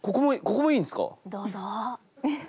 どうぞ。